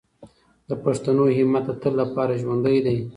د پښتنو همت د تل لپاره ژوندی دی.